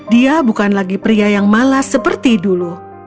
dia bukan lagi pria yang malas seperti dulu